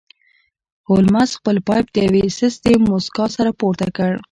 هولمز خپل پایپ د یوې سستې موسکا سره پورته کړ